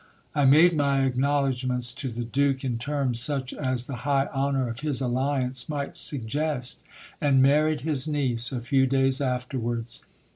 I made my acknowledgments to the Duke in terms such as the high honour of his alliance might suggest, and married his niece a few days afterwards.